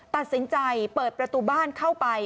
ตัดสินใจเปิดประตูบ้านเข้าไป